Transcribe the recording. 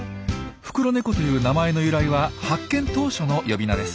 フクロネコという名前の由来は発見当初の呼び名です。